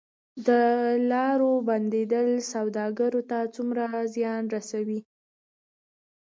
د لارو بندیدل سوداګرو ته څومره زیان رسوي؟